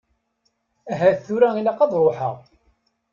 Ahat tura ilaq ad ṛuḥeɣ.